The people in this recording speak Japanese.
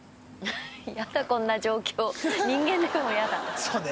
ヤダこんな状況人間でも嫌だ。